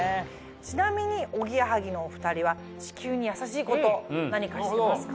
ちなみにおぎやはぎのお２人は地球に優しいこと何かしてますか？